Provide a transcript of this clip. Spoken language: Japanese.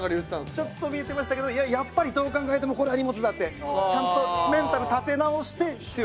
ちょっとおびえてましたけどやっぱりどう考えてもこれは「荷物」だってちゃんとメンタル立て直して強く。